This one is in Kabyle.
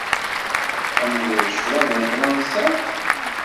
Tḥemmleḍ ccrab n Fransa?